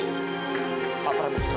apa perangkat itu